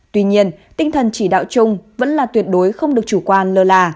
tuy nhiên tinh thần chỉ đạo chung vẫn là tuyệt đối không được chủ quan lơ là